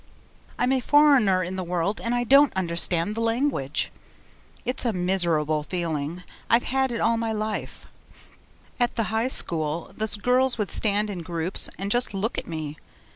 I'm a foreigner in the world and I don't understand the language. It's a miserable feeling. I've had it all my life. At the high school the girls would stand in groups and just look at me.